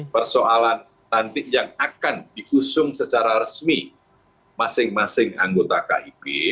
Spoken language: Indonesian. persoalan nanti yang akan diusung secara resmi masing masing anggota kib